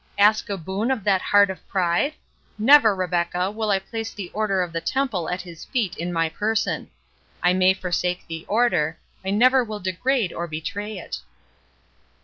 —ask a boon of that heart of pride?—Never, Rebecca, will I place the Order of the Temple at his feet in my person. I may forsake the Order, I never will degrade or betray it."